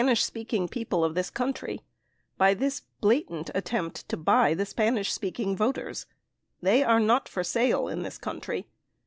381 speaking people of this country by this blatant attempt to buy the Spanish speaking voters. They are not for sale in this country.